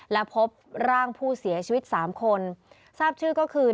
และพบร่างผู้เสียชีวิตสามคนทราบชื่อก็คือ